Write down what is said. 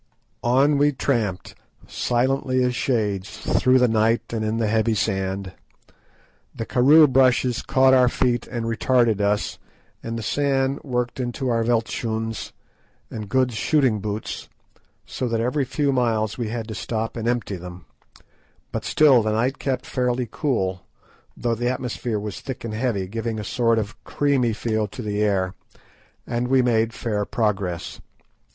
On we tramped silently as shades through the night and in the heavy sand. The karoo bushes caught our feet and retarded us, and the sand worked into our veldtschoons and Good's shooting boots, so that every few miles we had to stop and empty them; but still the night kept fairly cool, though the atmosphere was thick and heavy, giving a sort of creamy feel to the air, and we made fair progress.